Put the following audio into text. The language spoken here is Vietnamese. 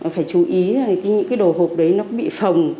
phải chú ý rằng những cái đồ hộp đấy nó bị phồng